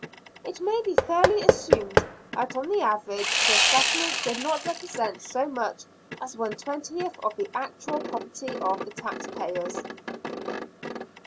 It may be fairly assumed that on the average the assessment did not represent so much as one twentieth of the actual property of the taxpayers.